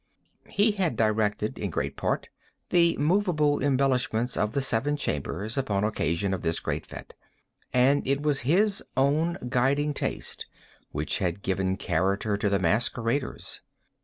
He had directed, in great part, the moveable embellishments of the seven chambers, upon occasion of this great fête; and it was his own guiding taste which had given character to the masqueraders.